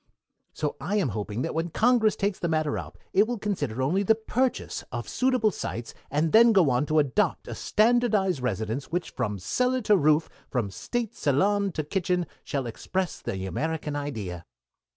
So I am hoping that when Congress takes the matter up it will consider only the purchase of suitable sites, and then go on to adopt a standardized residence which from cellar to roof, from state salon to kitchen, shall express the American idea."